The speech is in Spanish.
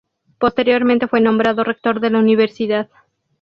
Posteriormente fue nombrado rector de la Universidad.